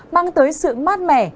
mang tới sự mát mẻ